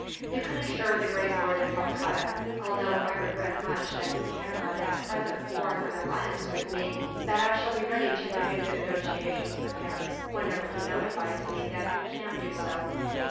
You can assure the great lord of Calcutta, although I regret much that he cannot at present form an alliance with me, that I shall be ready to renew the negotiations with him, whenever he notifies me that he can do so."